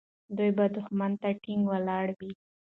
دوی به دښمن ته ټینګ ولاړ وي.